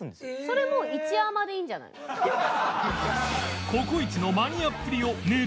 それもう１甘でいいんじゃないの？